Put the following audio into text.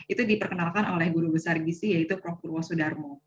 itu diperkenalkan oleh guru besar gizi yaitu prof wosudarmo